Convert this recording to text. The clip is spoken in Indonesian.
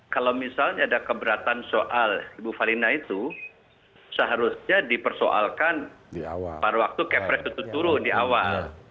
kalau misalnya ada keberatan soal ibu falina itu seharusnya dipersoalkan pada waktu kepres itu turun di awal